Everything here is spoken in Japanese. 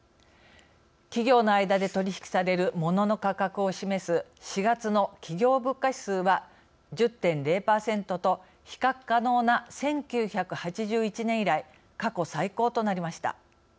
企業の間で取り引きされるモノの価格を示す４月の企業物価指数は１０．０％と比較可能な１９８１年以来過去最高となりました。